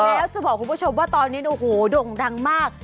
แล้วจะบอกคุณผู้ชมว่าตอนนี้โอ้โหด่งดังมาก